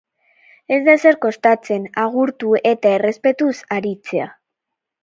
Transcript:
Ez da ezer kostatzen agurtu eta errespetuz aritzea